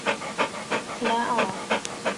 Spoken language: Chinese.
普赖奥尔。